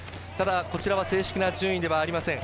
こちらは正式な順位ではありません。